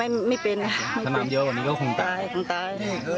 ไม่ไม่เป็นค่ะถ้าน้ำเยอะกว่านี้ก็คงตายคงตาย